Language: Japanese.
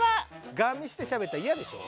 ガン見してしゃべったらイヤでしょ？